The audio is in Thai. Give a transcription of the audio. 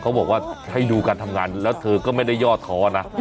เขาบอกว่าให้ดูการทำงานแล้วเธอก็ไม่ได้ย่อท้อนะ